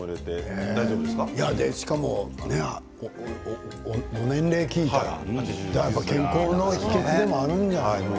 しかもご年齢を聞いたら健康の秘けつでもあるんじゃないのかな。